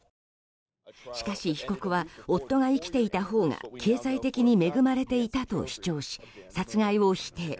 しかし、被告は夫が生きていたほうが経済的に恵まれていたと主張し殺害を否定。